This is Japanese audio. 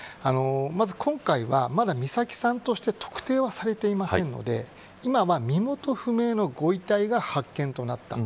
まず今回は、まだ美咲さんとして特定はされていませんので今は、身元不明のご遺体が発見となった。